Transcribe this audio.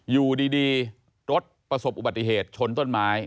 อยู่ดีรถประสบอุบัติเหตุชนต้นไม้